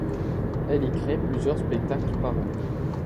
Elle y crée plusieurs spectacles par an.